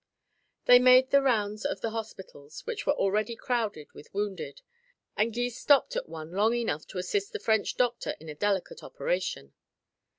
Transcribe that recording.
They made the rounds of the hospitals, which were already crowded with wounded, and Gys stopped at one long enough to assist the French doctor in a delicate operation.